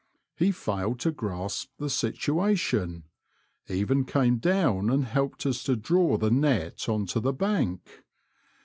He failed to grasp the situation — even came down and helped us to draw the net on to the bank.